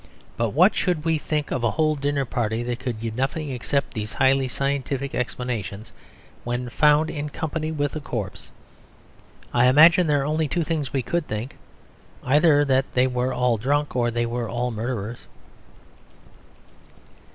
But what should we think of a whole dinner party that could give nothing except these highly scientific explanations when found in company with a corpse? I imagine there are only two things we could think: either that they were all drunk, or they were all murderers.